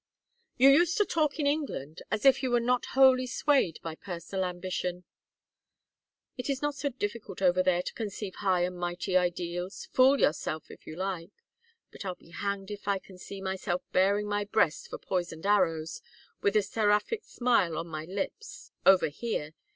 "You used to talk in England as if you were not wholly swayed by personal ambition." "It is not so difficult over there to conceive high and mighty ideals fool yourself, if you like. But I'll be hanged if I can see myself baring my breast for poisoned arrows, with a seraphic smile on my lips, over here!